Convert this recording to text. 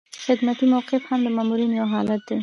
خدمتي موقف هم د مامور یو حالت دی.